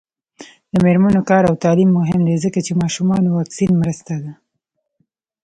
د میرمنو کار او تعلیم مهم دی ځکه چې ماشومانو واکسین مرسته ده.